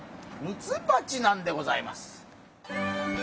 ミツバチなんでございます。